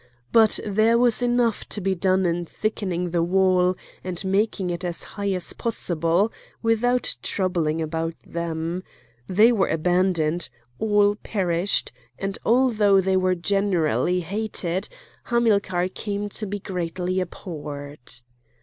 But there was enough to be done in thickening the wall and making it as high as possible without troubling about them; they were abandoned; all perished; and although they were generally hated, Hamilcar came to be greatly abhorred.